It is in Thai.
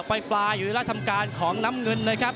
ไปปลายอยู่ในราธรรมการของน้ำเงินเลยครับ